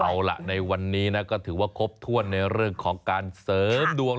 เอาล่ะในวันนี้นะก็ถือว่าครบถ้วนในเรื่องของการเสริมดวง